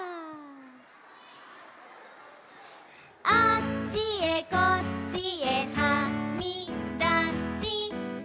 「あっちへこっちへはみだしたやあ」